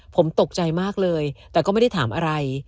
ผมตกใจมากเลยแต่ก็ไม่ได้ถามอะไร